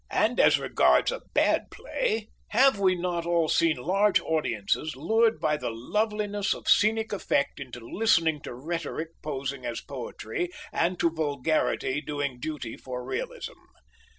And as regards a bad play, have we not all seen large audiences lured by the loveliness of scenic effect into listening to rhetoric posing as poetry, and to vulgarity doing duty for realism?